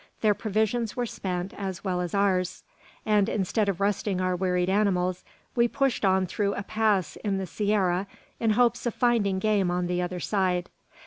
Their provisions were spent as well as ours, and instead of resting our wearied animals, we pushed on through a pass in the sierra in hopes of finding game on the other side.